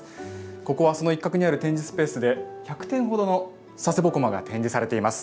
ここは、その一角にある展示スペースで１００点ほどの佐世保独楽が展示されています。